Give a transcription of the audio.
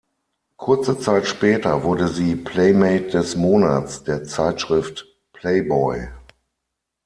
Kurze Zeit später wurde sie "Playmate des Monats" der Zeitschrift Playboy.